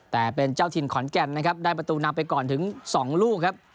แต่เป็นเจ้าถิ่นขอนแก่นนะครับได้ประตูนำไปก่อนถึง๒ลูกครับ